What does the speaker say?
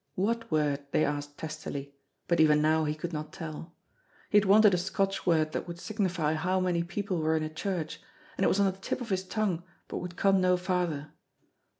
What word? they asked testily, but even now he could not tell. He had wanted a Scotch word that would signify how many people were in church, and it was on the tip of his tongue but would come no farther.